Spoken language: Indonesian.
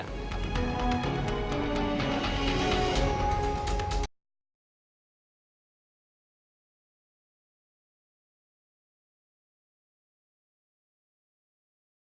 berita terkini mengenai hujan lebat di jepang